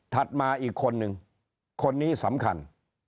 มาอีกคนนึงคนนี้สำคัญ